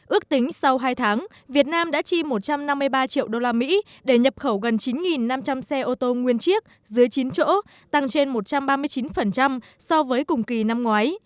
ước tính sau hai tháng việt nam đã chi một trăm năm mươi ba triệu usd để nhập khẩu gần chín năm trăm linh xe ô tô nguyên chiếc dưới chín chỗ tăng trên một trăm ba mươi chín so với cùng kỳ năm ngoái